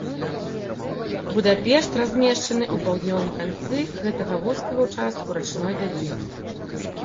Будапешт размешчаны ў паўднёвым канцы гэтага вузкага ўчастку рачной даліны.